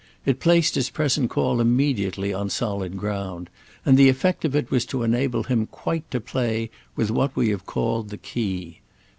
It placed his present call immediately on solid ground, and the effect of it was to enable him quite to play with what we have called the key.